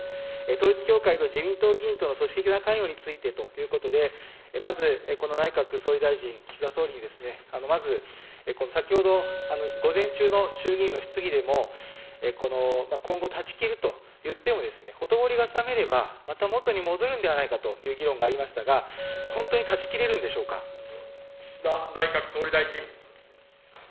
統一教会と自民党議員との組織的な関与についてということで、まずこの内閣総理大臣、岸田総理にまず、先ほど、午前中の衆議院の質疑でも、今後、断ち切るといっても、ほとぼりが冷めれば、また元に戻るんではないかという議論がありましたが、岸田内閣総理大臣。